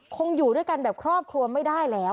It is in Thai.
คงอยู่ด้วยกันแบบครอบครัวไม่ได้แล้ว